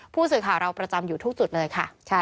ผู้สื่อข่าวเราประจำอยู่ทุกจุดเลยค่ะ